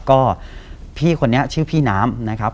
ก็พี่คนนี้ชื่อพี่น้ำนะครับ